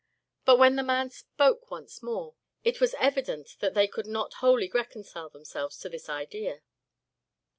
But when the man spoke once more it was evident that they could not wholly reconcile themselves to this idea.